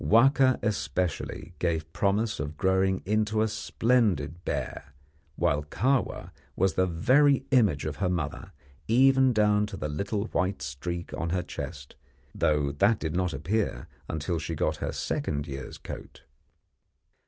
Wahka, especially, gave promise of growing into a splendid bear, while Kahwa was the very image of her mother, even down to the little white streak on her chest, though that did not appear until she got her second year's coat.